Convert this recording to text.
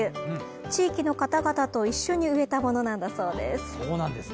地域の方々と一緒に植えたものなんだそうです。